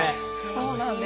そうなんです。